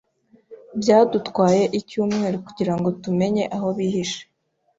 Byadutwaye icyumweru kugirango tumenye aho bihishe.